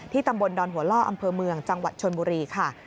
ตำบลดอนหัวล่ออำเภอเมืองจังหวัดชนบุรีค่ะ